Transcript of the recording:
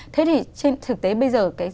thế thì trên thực tế bây giờ